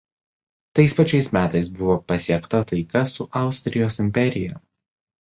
Tais pačiais metais buvo pasiekta taika su Austrijos imperija.